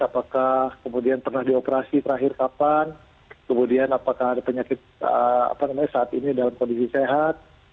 apakah kemudian pernah dioperasi terakhir kapan kemudian apakah ada penyakit saat ini dalam kondisi sehat